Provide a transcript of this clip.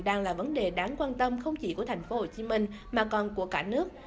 đang là vấn đề đáng quan tâm không chỉ của tp hcm mà còn của cả nước